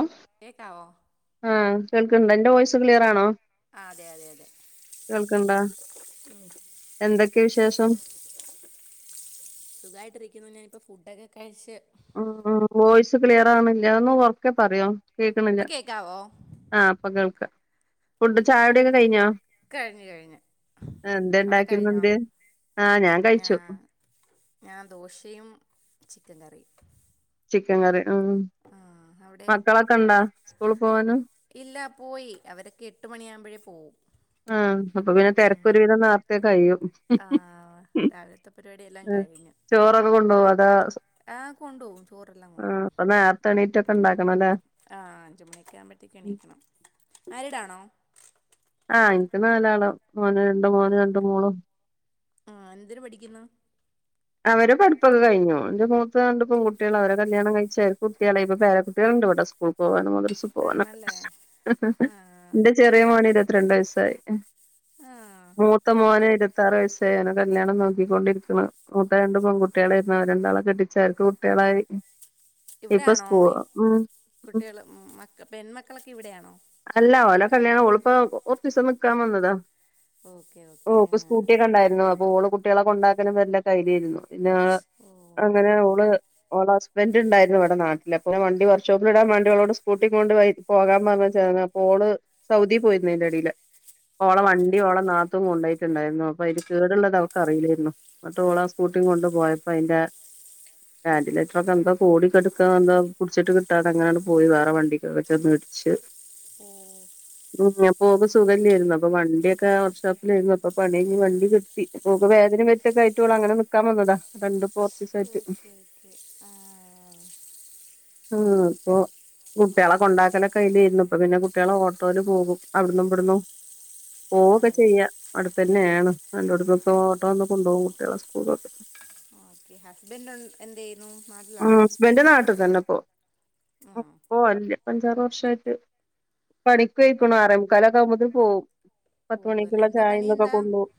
ഒഹ് കേക്കാവോ ആഹ് കേൾക്ണ്ടൊ ന്റെ വോയിസ് ക്ലിയറാണോ? ആഹ് അതെ അതെ അതെ എന്തൊക്കെ വിശേഷം? സുഖായിട്ടിരിക്കുന്നു. ഞാൻപ്പോ ഫുഡൊക്കെ കഴിച്ചു. ഉം ഉം വോയിസ് ക്ലിയർ ആണില്ല്യാ. ഒന്ന് ഒറക്കെ പറ്യോ? കേക്ണില്യ ഇപ്പം കേൾക്കാവോ ആഹ് പ്പ കേൾക്ക. ഫുഡ് ചായുട്യൊക്കെ കഴിഞ്ഞോ? കഴിഞ്ഞ് കഴിഞ്ഞ് എന്തേ അവിടെ കഴിഞ്ഞോ ണ്ടാക്കിന്ന്ന്ത് ആഹ് ഞാൻ കഴിച്ചു. ഞാൻ ദോശയും ചിക്കൻ കറിയും. ചിക്കൻ കറി ഉം ആ അവിടെ മക്കളൊക്കെ ഇണ്ടാ സ്കൂള് പോവാന്? ഇല്ല പോയി അവരൊക്കെ എട്ട് മണിയാഉമ്പഴേ പോവും. ആഹ് അപ്പൊ പിന്നെ ഉം. തെരക്കൊരു വീധം നേർത്തെ കയ്യു. ആ രാവിലത്തെ ചോറൊക്കെ കൊണ്ടോവോ? ആഹ് കൊണ്ടോവും ചോറെല്ലാം ആഹ് കൊണ്ടോവും. അപ്പൊ നേരത്തെ എണീറ്റൊക്കെ ഉണ്ടാക്കണം അല്ലേ ആഹ് അഞ്ചുമണിയൊക്കെ ആവുബെയ്ത്തോക്ക് എണീക്കണം മാരിടാണോ ആഹ് എനിക്ക് നാലാളാ മോന രണ്ട് മോന് രണ്ട് മോളും ആഹ് എന്തിന് പഠിക്കുന്നു അവരെ പഠ്പ്പൊക്കെ കഴ്ഞ്ഞു എന്റെ മൂത്ത രണ്ട് പെൺകുട്ടികളാ അവരെ കല്ല്യാണം കഴിച്ച അയ്ല് കുട്ടിഎളായ് ഇപ്പ പേര കുട്ടിഎള് ഉണ്ട് ഇവിടെ സ്കൂൾക്ക് പോവാനും [unintelligible] സ് പോവാനും ആണല്ലേ ആ ഇന്റെ ചെറിയ മോനേ ഇരുപത്തിരണ്ട് വയസ്സായി ആ മൂത്ത മോന് ഓക്കെ ഇരുവത്തി ആറ് വയസ്സായി ഓന് കല്ല്യാണം ന്നോക്കിക്കൊണ്ടിരിക്ക്ണ് മൂത്ത രണ്ടും പൺകുട്ടി ആളായ്രുന്നു അവരെ രണ്ടാളേം കെട്ടിച്ച് അവർക്ക് കുട്ടികളായി ഇവ്ടെ ഇപ്പൊ ആണോ സ്കൂ ഇ ഉം ഉം കുട്ടിഎള് മ് മക്കൾ പെൺമക്കളൊക്കെ ഇവ്ടെയാണോ കല്ല്യാണം ഓള് പ്പം ഒർച്ചീസം നിക്കാം വന്നതാ ഓക്കെ ഓക്കെ ആ ഓക്ക് സ്കൂട്ടി ഒക്ക ഉണ്ടായ്രുന്നു ഓള് കുട്ടികളെ കൊണ്ടാക്കലും വെരലും അത് ലെയ്നി പിന്നെ ഓ അങ്ങനെ ഓക്കെ ഓള് ഓളെ ഹസ് ബന്റ് ണ്ടായിരുന്നു ഇവ്ടെ ന്നാട്ടില് അപ്പ ഇങനെ വണ്ടിവർക്ഷോപ്പിലിടാം മാണ്ടി ഓളോട് സ്കൂട്ടി കൊണ്ട് വെര് പോകാ മാങിഎചതാ പോ ഒള് സൗദീ പോയിരുന്നു അയ്ന്റെ എടേല് ഓളെ ഓക്കെ വണ്ടി ആ ഓള നാത്തൂൻ കൊണ്ടെയ്ട്ട് ഉണ്ടായിരുന്നു അപ്പം അയ്ന് കേട് ഉള്ളത് അവക്ക് അറില്ലായിരുന്നു എന്നിട്ട്. ഓള് ആ സ്കൂട്ടിം കൊണ്ട് പോയപ്പം അയ്ന്റെ ആന്റിലേറ്റ്റൊ ക്കെ എന്തോ കോടി കെട്ക്കാ എന്തൊ പുടിച്ചിട്ട് കിട്ടാത അങ്ങനാണ്ട് പോയി വേറ വണ്ടിക്ക് ചെന്ന് ഇട് ടിച്ച് ആഹ് ഓക് സുഖല്ലേയ്രുന്നു അപ്പം വണ്ടിഒക്കെ വർക്ക്ഷാപ്പിലെയ്ന്നു അപ്പ പണിഅയ്ഞ് വണ്ടി കിട്ടി ഓക്ക് വേദനിം വെര് തെക്കെ ആയിട്ട് ഓള് അങ്ങനെ നിക്കാം വന്നതാ രണ്ടും ഓകെ ഓകെ ആഹ് ആഹ് അപ്പോ കുട്ടിഎളെ കൊണ്ടാക്കലൊകയ്ലേയ്ന്നു ഇപ്പം പിന്നെ കുട്ടിഎള ഓട്ടോല് പോകും ഔട്ന്നും ബട്ന്നും പോഉഒക്കെ ആണല്ലേ ചെയ്യ അട്ത്തെന്നെണ് ഒൻ്റോട്ന്നൊക്ക ഓം ട്ടോന്ന് കൊണ്ടോഉം കുട്ടിഎളെ സ്കു ഓകെ ഹസ്ബൻ്റ് എൻ എന്തെയ്യുന്നു ന്നാട്ടിലാണോ? പം പോ അല്ല്യ അഞ്ചാറ് വർഷായിട്ട് പണിക്ക് ഒഴ്ക്ക്ണ് ആറേ മുക്കാലൊക്കാഉബോത്ത്ന് പോഉം. പോകുമല്ലോ പത്ത്മണിക്ക്ള്ള എന്താ ചായിം പണി ദൊഒക്കെ എന്താ കൊണ്ടോഉം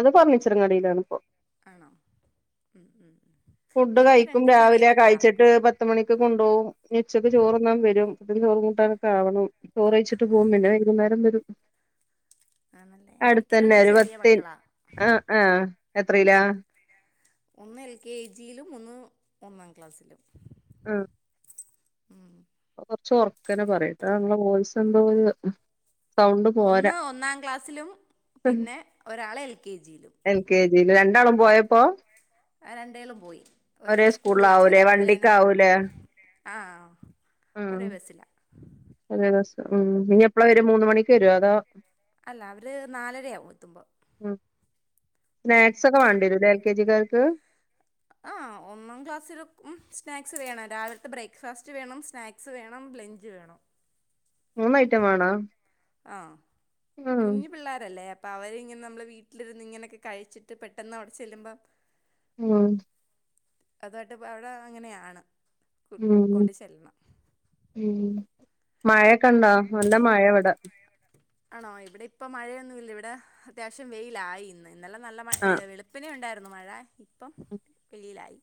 അത് ഫർണിച്ചറ്ം കടേലാണ് പം ആണോ? ഉം ഉം ഉം. [inaudible] ഫുഡ്ഡ് എനിക്ക് കഴിക്കും രണ്ട് ചെറിയ രാവിലെ മക്കളാ കഴിച്ചിട്ട് പത്ത്മണിക്ക് കൊണ്ടോഉം ഉ ച്ചക്ക് ചോറ് ന്നാം വെരും. അപ്പോത്ത്ന് ചോറുംകൂട്ടാനൊക്കെ ആവണം ചോറഴ്ച്ചിട്ട് പോഉം പിന്ന വൈകുന്നേരം വെരും. ആണല്ലേ എനിക്ക് രണ്ട് ചെറിയ മക്കളാ. അ എത്രേലാ? ഒന്ന് എൽ കെ ജി യിലും ഒന്ന് ഒന്നാം ക്ലാസ്സിലും. ആ മ് [inaudible] [unintelligible] കൊർച്ചൊക്കനെ പറീട്ടോ ങ്ങള വോയിസ് എന്തോ ര് മ് ഒന്ന് ഒന്നാം ക്ലാസ്സിലും പിന്നെ ഒരാള് എൽ കെ ജി യിലും ണ്ടാളും പോയപ്പോപോ അ രണ്ടേളും പോയി ഒരേ സ്കൂൾ ളാ അപ്പെ സ്കൂളിലാവൂലേ രാവിലെ എന്നെ പോഉം. വണ്ടിക്കാവൂലേ ആ ഒരെ ബെസ്സ്ലാ വരെ ബസ്സ് മ് ഞി എപ്പളാ വെര് ര് മൂന്ന്മണിക്ക് എരോ അതോ അല്ല അവര് നാലരയാവും എത്തുമ്പോ ആ സ്നാക്സ് ഒക്ക മാണ്ടിരു ലെ എൽ കെ ജി ക്കാര്ക്ക് ആ ഒന്നാം ക്ലാസ്സിൽ ക്കും. സ്നാക്സ് വേണ രാവിൽതെ ബ്രയ്ക്ക്ഫാസ്റ്റ് വേണം. സ്നാക്സ് വേണം ലെഞ്ച് വേണോ? മൂന്ന ഐറ്റം വണ ആ കുഞ്ഞു പിള്ളാരെല്ലേ അപ് പ വര്ങ്ങനെ ന്നമ്ള വീട്ട്ല്ര്ന്ന് ങ്ങനെക്കെ കഴിച്ചിട്ട് പെട്ടെന്ന് അവ്ടെ ചെല്ലുമ്പം [unintelligible] അതായ്ട്ട് പം അവ്ടെ അങ്ങനെയാണ് മ് കൊണ്ട് ചെല്ലണം മ് മഴയൊക്കെണ്ടോ നല്ല മഴ ഇവിടെ ആണോ ഇവിടെ ഇപ്പ മഴയൊന്നുംല്ല ഇവിടെ അത്യാവശ്യം വെയിലായി ഇന്ന് ഇന്നെല്ലാം നല്ല മഴ ആഹ് വെളുപ്പിനേ ഉണ്ടായിരുന്നു മഴ ഇപ്പം വെയിലായി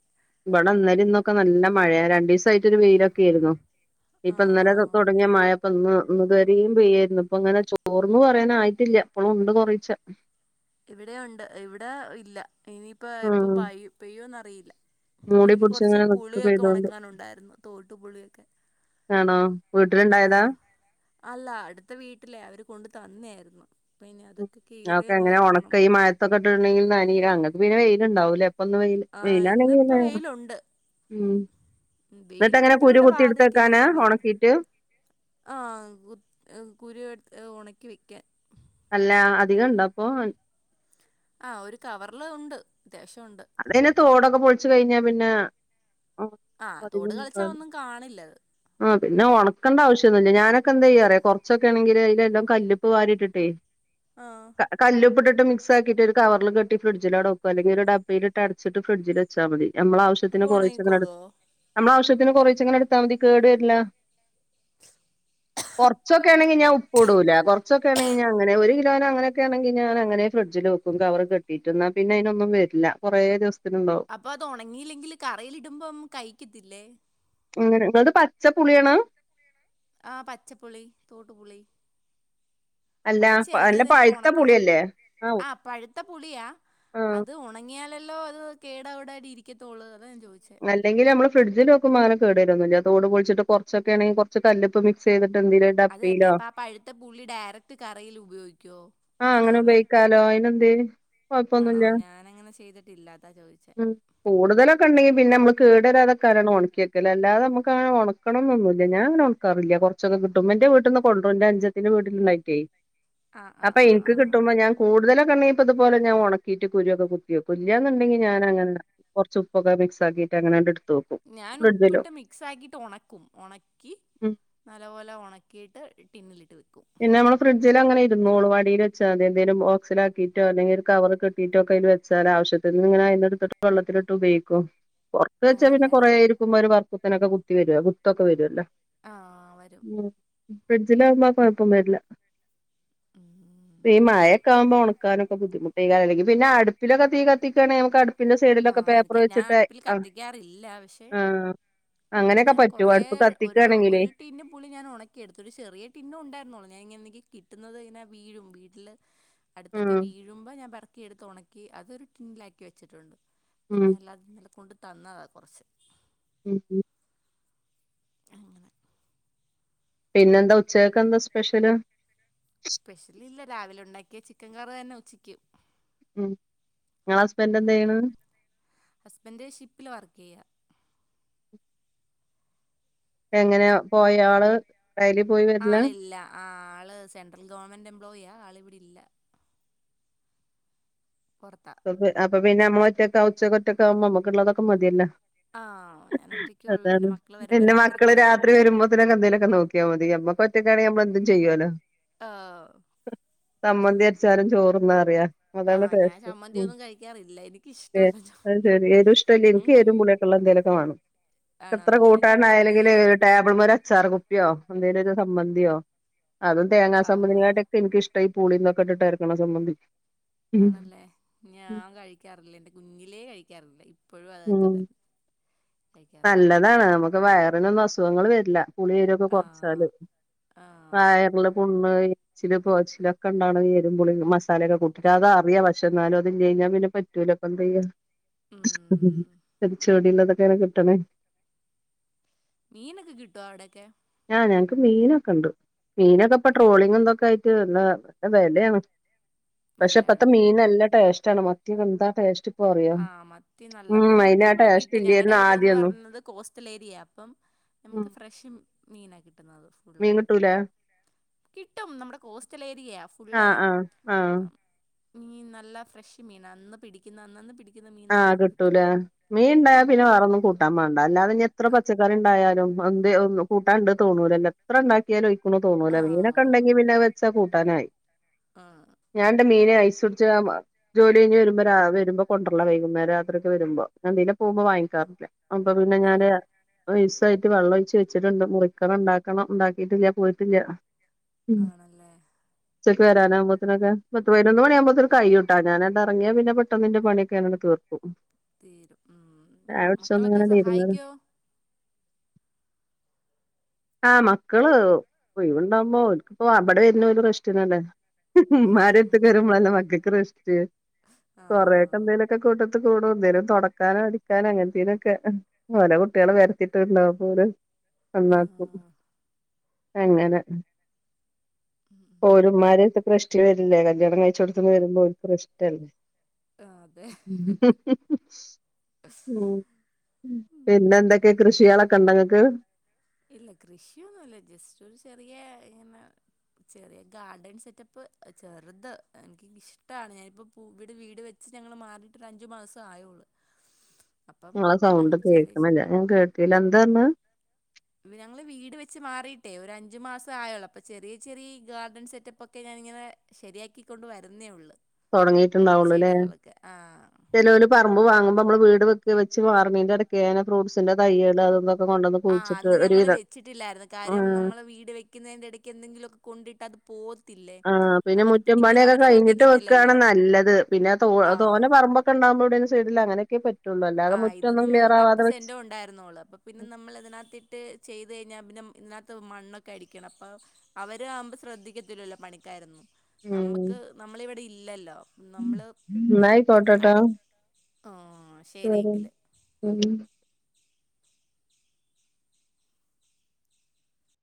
അന്നേം ഇന്നൊക്കെ നല്ല മഴയാ രണ്ടീസായി ഒറ്റരു വെയിലൊക്കെ ആയിരുന്നു ഇപ്പൊ ആഹ് ഇന്നലെ ആഹ് തുടങ്ങിയ മഴയിപ്പൊ ഒന്ന് ഇന്നിതോരെയും പെയ്യായിരുന്നു ഇപ്പൊ അങ്ങനെ ചോർന്നൂ പറയാനായിട്ടില്ല ഇപ്പളും ഉണ്ട് കുറേച്ചെ ഇവിടെ ഉണ്ട് ഇവിടെ ഇല്ല ഇനിയിപ്പോ എപ്പ ആഹ് പായും പെയ്യോന്ന് അറിയില്ല മൂടി എനിക്ക് കുറച്ച് പിടിച്ചിങ്ങനെ നിക്ക് പുളിയൊക്കെ പെയ്തോണ്ട് ഉണക്കാനുണ്ടായിരുന്നു തോട്ടുപുളിയൊക്കെ ആണോ വീട്ടിലുണ്ടായതാ ആഹ് അല്ല അടുത്ത വീട്ടിലെയാ അവര് കൊണ്ട് തന്നയായിരുന്നു പിന്നെ അതൊക്കെ കീറിയൊന്ന് വയ് കൈ മഴയത്തൊക്കെ ഇട്ടുണ്ടെങ്കിൽ നനയൂലേ അങ്ങക്ക് പിന്നെ വെയിലുണ്ടാവലേ ന്ന് വെയില് ആഹ് വെയിലാണെ [inaudible] ങ്ക ഇന്നിപ്പോ വെയിലുണ്ട് ഉ എന്നിട്ടെങ്ങനെ വെയിലുണ്ടെങ്കിലും കുരു ഇവിടെ കുത്തി വാതയ്ക്ക് എടുത്തക്കാനാ നല്ല വെയില ഉണക്കീട്ട് ആഹ് കുരു എടുത്ത് ഉണക്കി വെക്കാൻ. അല്ല അധികം ഇണ്ട അപ്പൊ ആ ഒരു കവറില് ഉണ്ട്. അത്യാവശ്യം ഉണ്ട് അതെ [unintelligible] തോടൊക്കെ പൊളിച്ചു കഴിഞ്ഞാ പിന്നെ. ആഹ് തോട് കളിച്ചാ ഒന്നും കാണില്ലത്. ആ പിന്ന ഉണക്കണ്ട ആവശ്യൊന്നുമില്ല പിന്നെ ഒണക്കണ്ട ആവശ്യൊന്നൂല ഞാനൊക്കെ എന്ത ചെയ്യാറ കുറച്ചൊക്കെ ആണെങ്കില് അതിലെല്ലാം കല്ലുപ്പ് വാരിട്ടിട്ടേ ആഹ് കല്ലുപ്പിട്ട് മിക്സ് ആക്കിട്ട് ഒരു കവറിൽ കെട്ടി ഫ്രിഡ്ജിലവിടെ വക്കും അല്ലെങ്കി ഒരു ഡബ്ബയിലിട്ട് അടച്ചിട്ട് ഫ്രിഡ്ജില് വച്ചാ മതി നമ്മളെ അപ്പൊ ആവശ്യത്തിന് കുറച്ചങ്ങെ ഉണങ്ങിക്കോളുവോ നമ്മള ആവശ്യത്തിന് കുറച്ചങ്ങനെ എടുത്താൽ മതി കേട്വരില്ല കുറച്ചൊക്കെ ആണെങ്കിൽ ഞാൻ ആഹ് ഉപ്പ് ഇടൂല കുറച്ചൊക്കെ ആണെങ്കിൽ ഞാ അങ്ങനെ ഒരു ൻ അങ്ങനെയക്കെ ആണെങ്ക ഞൻ ഞാനങ്ങനൊക്കെയാണെങ്കി ഞാനങ്ങനേ ഫ്രിഡ്ജില് വക്കും കവർ കെട്ടീട്ട് അന്നാ പിന്നെ അതിനൊന്നും വരില്ല കുറേ ദിവസം അപ്പൊ അത് ഉണങ്ങിയില്ലെങ്കില് കറിയിലിടുമ്പം കയിക്കത്തില്ലേ അങ്ങനെ അപ്പ അത് പച്ചപ്പുളിയാണ് ആഹ് പച്ചപ്പുളി തോട്ടുപുളി അല്ല അല്ല പഴുത്ത പുളിയല്ലേ ആ പഴുത്ത പുളിയാ ആ അത് ഉണങ്ങിയാലല്ലോ അത് കേടാവിട ഇരിക്കത്തോള്ളൂ അല്ലെങ്കിൽ നമ്മള് ഫ്രിഡ്ജിൽ വക്കുമ്പോ അങ്ങന കേടുവര്വോന്നുല്ല തോട് പൊളിച്ചിട്ട് കൊറച്ചൊക്കെ ആണെങ്കി കുറച്ച് കല്ലുപ്പ് മിക്സ് ചെയ്തിട്ട് എന്തെലും അതുതന്നെ ഡപ്പയിലോ അപ്പൊ ആ പഴുത്ത പുള്ളി ഡയറക്ട് കറിയിൽ ഉപയോഗിക്കോ ആഹ് അങ്ങനെ ഉപയോഗിക്കാലോ അയിന്ന്ന്ത് ആണോ കൊഴപ്പൊന്നുമില്ല ഞാനങ്ങനെ ചെയ്തിട്ടില്ല അതാ ചോദിച്ചേ ഉം കൂടുതലൊക്കെ ഉണ്ടെങ്കി പിന്നെ നമ്മള് കേട് വരാതെ ാര ഉണക്കി വയ്ക്കല് അല്ലാതെ നമ്മക്കങ്ങനെ ഒണക്കണംന്നൊന്നൂല്ല ഞാൻ ങ്ങന ഉണക്കാറില്ല കുറച്ചൊക്കെ കിട്ടുമ്പോ എന്റെ വീട്ടന്ന് ന്റെ അന്ജത്തിന്റെ വീട്ടിലുണ്ടായിറ്റേ ആഹ് അപ്പൊ ആഹ് ആഹ് എനിക്ക് ആഹ് കിട്ടുമ്പോ ഞാൻ കൂടുതലും ഇനീപ്പോ ഇതു പോലെ ഞാനുണക്കീട്ട് കുരുവൊക്കെ കുത്തിവക്കും ഇല്യാന്നുണ്ടെങ്കി ഞാനങ്ങനെ കുറച്ച് ഉപ്പൊക്കെ മിക്സ് ആക്കി അങ്ങന [inaudible] ഞാൻ ഉപ്പിട്ട് മിക്സ് ആക്കിട്ട് ഉണക്കും ഉണക്കി ഉം നല്ലപോലെ ഉണക്കിയിട്ട് ടിന്നിലിട്ട് വെക്കും പിന്നെ നമ്മള് ഫ്രിഡ്ജില് അങ്ങനെ മോൾുവാടിയിൽെച്ചാ [unintelligible] അതെന്തെലും ബോക്സിലാക്കിയിട്ടോ അല്ലെങ്കിൽ ഒരു കവർ കെട്ടീട്ടൊക്കെ അതില് വെച്ചാൽ ആവശ്യത്തനിങ്ങനെ എന്നെടുത്തിട്ട് വെള്ളത്തിലിട്ട് ഉപയോഗിക്കും പുറത്ത് വെച്ചാ പിന്നെ ആണല്ലേ കുറേ ഇരിക്കുമ്പോ ഒരു വർത്തത്തിനൊക്കെ കുത്തി വരിക കുത്തൊക്കെ വരുവല്ലോ ആഹ് വരും ഫ്രിഡ്ജിലാകുമ്പ ആ കുഴപ്പം വരില്ല ഉം ഈ മഴൊക്കെയാകുമ്പോ ഉണക്കാനൊക്കെ ബുദ്ധിമുട്ട് അല്ലെങ്കി പിന്നെ അടുപ്പിലക്കെ തീ കത്തിക്കു കാണേ നമുക്ക് അടു പിന്നെ സൈഡിലൊക്കെ ആഹ് പേപ്പർ എനിക്ക് ഞാൻ വെച്ചിട്ട് അടുപ്പിൽ ആ ആ ഉ ഞാൻ കൊറേ ഒരു ഒരു ടിന്ന് പുളി ഞാൻ ഉണക്കിയെടുത്തു ഒരു ചെറിയ ടിന്നും ഉണ്ടായിരുന്നു ഇങ്ങനെെങ്കി കിട്ടുന്നത് ഇങ്ങനെ വീഴും വീട്ടില് അടുത്തൊക്കെ ഉം വീഴുമ്പോ ഞാൻ ക്കി എടുത്ത് ഉണക്കി അതൊരു ടിന്നിലാക്കി വെച്ചിട്ടുണ്ട് ഉം പിന്നെ എല്ലാം കൊ തന്നതാ കുറച്ച് ഉം ഉം അങ്ങനെ പിന്നെന്താ ഉച്ചക്കക്ക്‌ എന്താ സ്പെഷ്യല്? സ്പെഷ്യലില്ല രാവിലെ ഉണ്ടാക്കിയ ചിക്കൻ കറി തന്നെ ഉച്ചക്ക് ഉം നിങ്ങളെ ഹസ്ബൻഡ് എന്ത് ചെയ്യണ് ഹസ്ബൻന്റ് ഷിപ്പില് വർക്ക് ചെയ്യ എങ്ങനെയ പോയാള് ഡെയിലി പോയി വരലാ? ആളില്ല ആ ആള് സെൻട്രൽ ഗവൺമെന്റ് എംപ്ലോയി ആൾ ഇവിടെ ഇല്ല പൊറത്ത അപ്പ പിന്നെ നമ്മളൊറ്റക്ക ഉച്ചക്കൊറ്റക്കാകുമ്പോ നമുക്ക് ഉള്ളതൊക്കെ മതിയല്ല ആഹ് ഞാൻ ഒറ്റയ്ക്കേ അത ഉള്ളൂ പിന്നെ മക്കള് വരുമ്പോ പിന്നെ രാത്രി മക്കള് കൊടുത്താ രാത്രി മതി വരുമ്പോത്തിനൊക്കെ എന്തേലൊക്കെ നോക്കിയാ മതി അമ്മ ഒറ്റക്കാണെങ്കി നമ്മളെന്തും ചെയ്യോലോ ആഹ് സമ്മന്തി അരച്ചാലും ചോറ്ന്നാ അറിയ അതാണ് ആഹ് ഞാൻ ടേസ്റ്റ് ചമ്മന്തി ഉ ഒന്നും കഴിക്കാറില്ല എനിക്കിഷ്ടമല്ല അത് ചമ്മന്തി ശരി ഏത് ഇഷ്ടല്ല ഉം എനിക്ക് എരും കുഞ് പുളിയൊക്കെള്ള എന്തേലൊക്കെ വാണം ആണോ എത്ര ഞാൻ ചമ്മന്തി കൂട്ടാനായിലെങ്കിൽ ടേബിൾ ഒരച്ചാർ കുപ്പിയോ എന്തേലും ഒരു സമ്മന്തിയോ അതും തേങ്ങാ ആഹ് സമ്മന്തിക്കാട്ടിലൊക്കെ ഇൻക്ക് ഇഷ്ട ഈ പുളിള്ളതൊക്കെ ഇട്ടിട്ടരക്ക്‌ണ സമ്മന്തി ആണല്ലേ ഞാൻ കഴിക്കാറില്ലേ എന്റെ കുഞ്ഞിലേ കഴിക്കാറില്ലേ ഉം കഴിക്കാറില്ല പുളിഎരൊക്കെ ആ കൊർച്ചാല് ആ ച്ചിരിപ്പൊകച്ചിലൊക്കെ ണ്ടാവ്ണെ എരുംപുളിം മസാലൊക്കെ കൂട്ടീട്ടാ അതറിയ പക്ഷെ എന്നാലും അതില്ലഞ്ഞാ പിന്നെ പറ്റൂല പ്പന്നപ്പെന്തെയ്യും ഉം ചൊടിള്ളതൊക്കെനെ കിട്ടണേ മീനൊക്കെ കിട്ടോ അവ്ടൊക്കെ? ആ ഞങ്ങക്ക് മീനൊക്കെണ്ട് ഉം മീനൊക്കെപ്പട്രോളിങ്ങും തൊക്കെ ആയിട്ട് എന്താ നല്ല വെലേണ് പക്ഷെ ഇപ്പത്തെ വിലയാണ് മീൻ ഉം നല്ല ടേസ്റ്റ് ആണ് മത്തിയൊക്കെ എന്താ ടേസ്റ്റ് ഇപ്പൊ അറിയോ ആഹ് മത്തി നല്ല ഉം അയിന് ആ ഞങ്ങൾക്കിവിടെ ടേസ്റ്റ് കിട്ടും ഞങ്ങളുടെ ഇല്ലായിരുന്നു ഇതെന്ന് ആദ്യൊന്നും പറയുന്നത് കോസ്റ്റൽ ഏരിയ അപ്പം ഉം നമുക്ക് ഫ്രഷ് മീനാ കിട്ട മീൻ കിട്ടൂലേ? കിട്ടും നമ്മുടെ കോസ്റ്റൽ ഏരിയയാ ആ ഫുള്ളേ ആ ആ മീൻ നല്ല ഫ്രഷ് മീന അന്ന് പിടിക്കുന്ന അന്നന്ന് പിടിക്കുന്ന മീൻ ആഹ് നമുക്ക് കിട്ടും കിട്ടൂല മീൻ ഇണ്ടായ പിന്നെ ഉം വേറൊന്നും കൂട്ടാൻ മാണ്ട അല്ലാതെ ഞ എത്ര പച്ചക്കറി ഉണ്ടായാലും എന്ത് കൂട്ടാണ്ട് തോന്നൂലല്ലോ എത്രണ്ടാക്കിയാലും ആ തോന്നൂല ആ മീനൊക്കെ ഉണ്ടെങ്കി പിന്നെ വെച്ചാ കൂട്ടാനായി ആ ഞാ മീനെ ഐസ്ട്ച്ച ജോലിഴഞ്ഞ്രുമ്പോ വരുമ്പോ കൊണ്ട വൈകുന്നേരം രാത്രിയൊക്കെ വരുമ്പോ ഞാൻ തിലെ പോകുമ്പോ വാങ്ങിക്കാറില്ല അപ്പൊ പിന്നെ ഞാന് ആണ് ട്ട് വെള്ളൊഴിച്ച് വെച്ചിട്ടുണ്ട് മുറിക്കണം ഉണ്ടാക്കണം ഉണ്ടാക്കിയിട്ടില്ല പോയിട്ടില്ല ആണല്ലേ ഉച്ചക്ക് വരാനാവുമ്പോത്തിനൊക്കെ പത്ത് പയ്നൊന്ന് മണി ആവുമ്പത്തിന് കഴിയുട്ട ഞാനണ്ടറങ്ങിയ പിന്നെ പെട്ടന്ന്ന്റെ പണി യൊക്കെ ഞാനങ് തീ തീരും ഉം കുടിച്ചൊന്ന് മക്കളൊക്കെ ഇങ്ങനെ ഇരുന്ന് സഹായിക്കോ? ആഹ് മക്കള് ഒയ്വ്ണ്ടാവുമ്പോ ഓൽക്ക്‌പ്പൊ ആ ബ്ബടെ വർനെ ഓല് റെഷ്റ്റിനല്ലേ മ്മാരട്ത്ത്ക്ക്‌ വരുമ്പോളല്ലെ മക്കക്ക്‌ റസ്റ്റ്‌ കൊറെ ആഹ് കൂട്ടത്ത് കൂടും എന്തേലും തുടക്കാനോ അടിക്കാനോ അങ്ങൻത്തീനൊക്കെ ഓരോ കുട്ടികള് പരത്തിട്ടണ്ടാവും അപ്പോ നന്നാക്കും ആഹ് അങ്ങനെ ഉം ർ ഉം മറ സ കൃഷണ [unintelligible] വരില്ലേ കല്യാണം കഴിച്ച് കൊടുത്തുന്ന് വരുമ്പോ ഒരോർത്തട് ഇഷ്ടല്ലേ ആഹ് അതെ ഉം പിന്നെ എന്തൊക്കെ ഉം കൃഷികളൊക്കെ ഉണ്ടോ ഇങ്ങക്ക് ഇല്ല കൃഷിയൊന്നും ഇല്ല ജസ്റ്റൊരു ചെറിയ ഇങ്ങനെ ചെറിയ ഗാർഡൻ സെറ്റപ്പ് ഏ ചെറുത് എനിക്ക് ഇഷ്ടാണ് ഞാനിപ്പോ പു ഇവിടെ വീട് വെച്ച് ച്ച് ഞങ്ങള് മാറീട്ട് ഒരഞ്ചു മാസേ ആയൊള്ളൂ ആ സൗണ്ട് കേൾക്കണില്ല ഞാൻ കേട്ടില്ല എന്താന്ന് ഞങ്ങളീ വീട് വെച്ച് മാറിയിട്ടേ ഒരഞ്ചു മാസേ ആയൊളളൂ അപ്പൊ ചെറിയ ചെറിയ ഗാർഡൻ സെറ്റപ്പൊക്കെ ഞാൻ ഇങ്ങനെ ശരിയാക്കിക്കൊണ്ട് വരുന്നേയുള്ളൂ തൊടങ്ങിട്ടുണ്ടാവുള്ളു ഇല്ലേ ആഹ് ചെലോര് പറമ്പ് വാങ്ങു നമ്മള് വീട് വെക്കു വെച്ച് മാർന്നേന്റെ എടക്കേ ഏതോ ഫ്രൂട്സിന്റെ തൈയ്യൊണ്ടാരുന്നു ആ അന്ന് ഞങ്ങള് വെച്ചിട്ടില്ലാരുന്നു കാര്യം ആഹ് നമ്മള് വീട് വെയ്ക്കുന്നേന്റെ ഏടക്ക് എന്തെങ്കിലുവൊക്കെ കൊണ്ടിട്ട് അത് പോവത്തില്ലേ ആ പിന്നെ അവര് മുറ്റം പിടിക്കുന്ന പണിയൊക്കെ അവര് കഴിഞ്ഞിട്ട് വെക്കുവാണ് ശ്രദ്ധിക്കത്തില്ലല്ലോ നല്ലത് പിന്നെ തോ ആ തോനെ പറമ്പൊക്കെ ഒണ്ടാവുമ്പോ ഇവിടേലും സൈഡില് അങ്ങനൊക്കെയേ പറ്റ് ആ ഇത് നമ്മള്ക്ക് പത്ത് സെന്റേ ഉണ്ടാരുന്നോളളു അപ്പൊ പിന്നെ നമ്മൾ അതിനാത്തിട്ട് ചെയ്ത് കഴിഞ്ഞാ പിന്നെ ന്നാത്ത് മണ്ണൊക്കെ അടിക്കണം അപ്പൊ അവരാവുമ്പോ ശ്രദ്ധിക്കത്തില്ലല്ലോ പണിക്കാരൊന്നും നമ്മക്ക് നമ്മളിവിടെ ഇല്ലല്ലോ നമ്മള് എന്നാ ആയിക്കോട്ടെട്ടോ ആഹ് ഉം ഉം